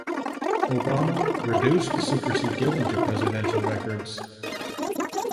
Obama reduced the secrecy given to presidential records.